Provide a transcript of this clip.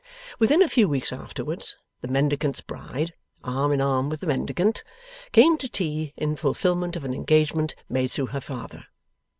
Within a few weeks afterwards, the Mendicant's bride (arm in arm with the Mendicant) came to tea, in fulfilment of an engagement made through her father.